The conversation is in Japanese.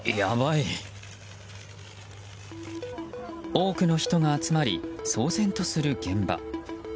多くの人が集まり騒然とする現場。